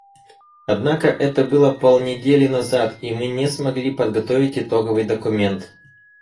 Однако это было полнедели назад, и мы не смогли подготовить итоговый документ.